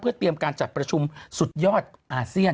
เตรียมการจัดประชุมสุดยอดอาเซียน